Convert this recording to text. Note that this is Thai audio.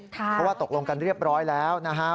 เพราะว่าตกลงกันเรียบร้อยแล้วนะฮะ